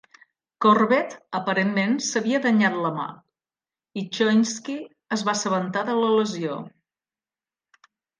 Corbett aparentment s'havia danyat la mà, i Choynski es va assabentar de la lesió.